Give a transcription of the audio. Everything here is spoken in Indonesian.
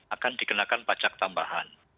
akan dikenakan pajak tambahan